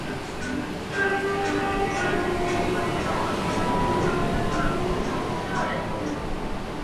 A second bottling plant was later opened in Brampton, Ontario.